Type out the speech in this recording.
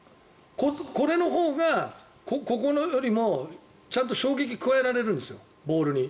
これのほうが、ここよりもちゃんと衝撃を加えられるんですよ、ボールに。